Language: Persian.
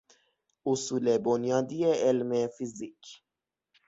اصول بنیادی علم فیزیک